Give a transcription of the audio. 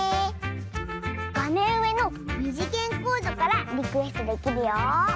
がめんうえのにじげんコードからリクエストできるよ！